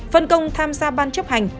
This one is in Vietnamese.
phân công tham gia ban chấp hành